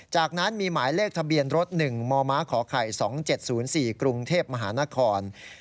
จากนั้นมีหมายเลขทะเบียนรถ๑มมขไข่๒๗๐๔กรุงเทพมหานคร